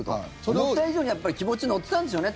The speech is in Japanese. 思った以上に気持ち、乗ってたんでしょうね